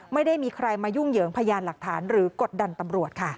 ไม่ได้มีใครมายุ่งเหยิงพยานหลักฐานหรือกดดันตำรวจค่ะ